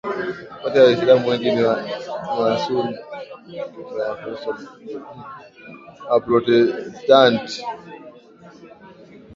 Kati ya Waislamu wengi ni Wasuni Kati ya Wakristo ni Waprotestanti